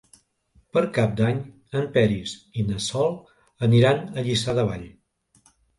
Per Cap d'Any en Peris i na Sol aniran a Lliçà de Vall.